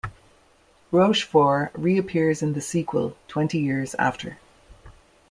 Rochefort reappears in the sequel, "Twenty Years After".